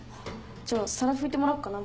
じゃあ皿拭いてもらおっかな。